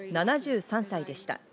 ７３歳でした。